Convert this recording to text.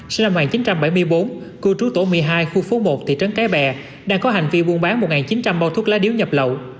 sinh năm một nghìn chín trăm bảy mươi bốn cư trú tổ một mươi hai khu phố một thị trấn cái bè đang có hành vi buôn bán một chín trăm linh bao thuốc lá điếu nhập lậu